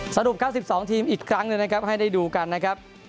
สรุป๙๒ทีมอีกครั้งหนึ่งนะครับให้ได้ดูกันนะครับ